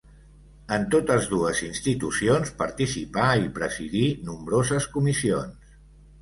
En totes dues institucions participà i presidí nombroses comissions.